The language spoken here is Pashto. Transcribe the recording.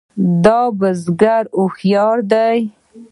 دا د بزګر هوښیاري ده.